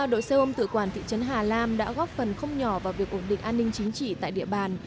ba đội xe ôm tự quản thị trấn hà lam đã góp phần không nhỏ vào việc ổn định an ninh chính trị tại địa bàn